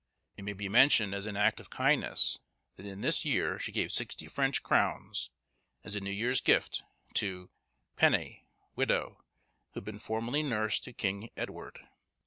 It may be mentioned, as an act of kindness, that in this year she gave sixty French crowns, as a New Year's Gift, to —— Penne, widow, who had been formerly nurse to King Edward.